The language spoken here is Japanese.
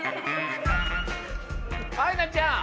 あいなちゃん